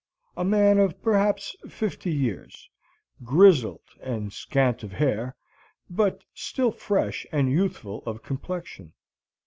A man of perhaps fifty years; grizzled and scant of hair, but still fresh and youthful of complexion.